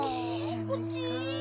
こっち？